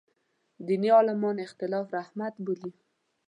دیني عالمان اختلاف رحمت بولي.